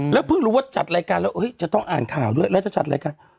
เพิ่งรู้ว่าจัดรายการแล้วจะต้องอ่านข่าวด้วยแล้วจะจัดรายการ